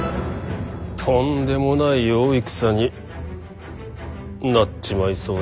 とんでもない大戦になっちまいそうですな。